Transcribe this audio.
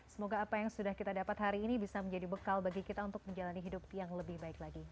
semoga apa yang sudah kita dapat hari ini bisa menjadi bekal bagi kita untuk menjalani hidup yang lebih baik lagi